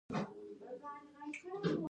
د خرڅ زیاتوالی د ښه خدمت نتیجه ده.